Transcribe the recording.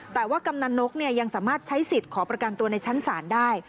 แต่ว่ากำนันนกยังสามารถใช้สิทธิ์ขอประกันตัวในชั้นศาลได้